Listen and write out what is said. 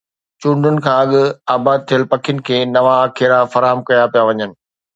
چونڊن کان اڳ آباد ٿيل پکين کي نوان آکيرا فراهم ڪيا پيا وڃن.